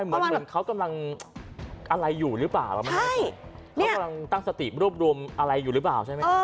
เหมือนเขากำลังอะไรอยู่หรือเปล่าเขากำลังตั้งสติรวบรวมอะไรอยู่หรือเปล่าใช่ไหม